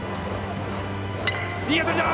いい当たりだ！